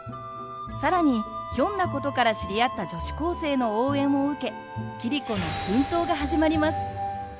更にひょんなことから知り合った女子高生の応援を受け桐子の奮闘が始まります。